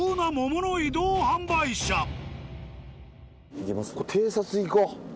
行きます？